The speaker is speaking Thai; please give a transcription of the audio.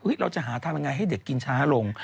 เราจะหาทำยังไงให้เด็กกินช้าลง